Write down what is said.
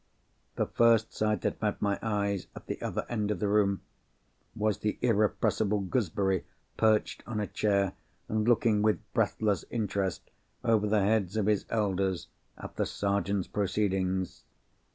The first sight that met my eyes, at the other end of the room, was the irrepressible Gooseberry, perched on a chair, and looking with breathless interest, over the heads of his elders, at the Sergeant's proceedings.